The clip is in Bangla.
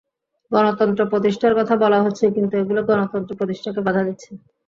গণতন্ত্র প্রতিষ্ঠার কথা বলা হচ্ছে কিন্তু এগুলো গণতন্ত্র প্রতিষ্ঠাকে বাধা দিচ্ছে।